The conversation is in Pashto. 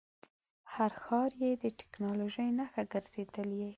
هر ښار یې د ټکنالوژۍ نښه ګرځېدلی.